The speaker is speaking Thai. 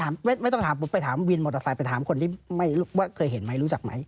ไม่ต้องถามผมไปถามวินมอเตอร์ไซค์ไปถามคนที่ว่าเคยเห็นไหมรู้จักไหม